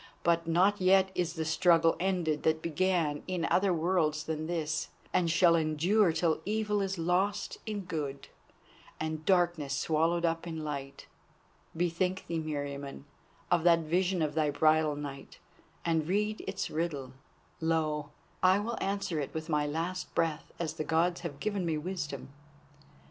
But not yet is the struggle ended that began in other worlds than this, and shall endure till evil is lost in good, and darkness swallowed up in light. Bethink thee, Meriamun, of that vision of thy bridal night, and read its riddle. Lo! I will answer it with my last breath as the Gods have given me wisdom.